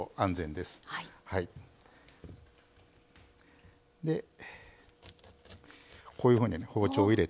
でこういうふうに包丁入れてね。